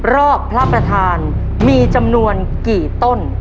พระประธานมีจำนวนกี่ต้น